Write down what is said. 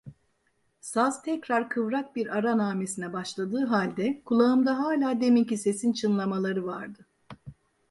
Saz tekrar kıvrak bir ara nağmesine başladığı halde, kulağımda hala deminki sesin çınlamaları vardı.